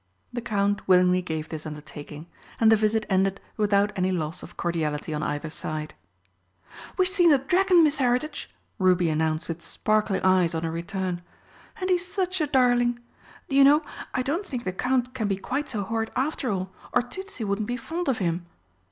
The Count willingly gave this undertaking, and the visit ended without any loss of cordiality on either side. "We've seen the dragon, Miss Heritage!" Ruby announced with sparkling eyes on her return. "And he is such a darling! Do you know, I don't think the Count can be quite so horrid after all, or Tützi wouldn't be fond of him.